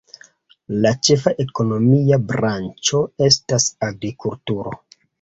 La ĉefa ekonomia branĉo estas agrikulturo.